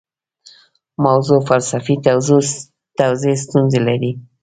موضوع فلسفي توضیح ستونزې لري.